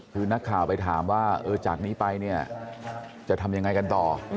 คือนักข่าวไปถามว่าจากนี้ไปจะทำอย่างไรกันต่อ